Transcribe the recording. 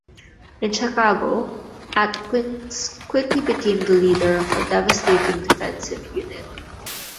In Chicago, Atkins quickly became the leader of a devastating defensive unit.